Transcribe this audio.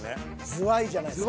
ズワイじゃないですか。